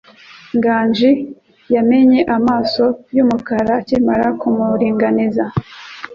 Nganji yamenye amaso yumukara akimara kumuringaniza.